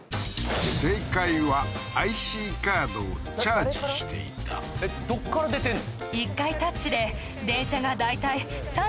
正解はＩＣカードをチャージしていたどっから出てんの？